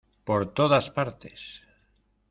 por todas partes.